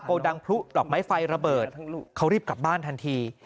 ดังพลุดอกไม้ไฟระเบิดเขารีบกลับบ้านทันที